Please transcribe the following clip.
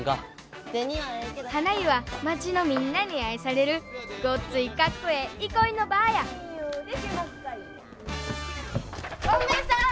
はな湯は町のみんなに愛されるごっついかっこええ憩いの場やゴンベエさん！